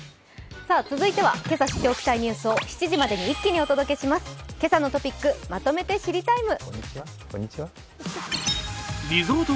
続いてはけさ知っておきたいニュースを７時までに一気にお届けします、「けさのトピックまとめて知りＴＩＭＥ，」